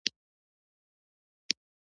هلته هرڅوک د پارک، ونو او بوټو خیال ساتي.